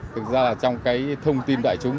thực ra là trong cái thông tin đại chúng